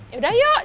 ya udah yuk